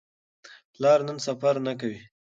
پلار نن سفر نه کوي.